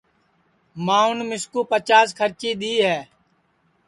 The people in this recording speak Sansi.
ماںٚو مِسکُو پچاس کھرچی دؔی ہے